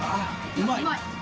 うまい！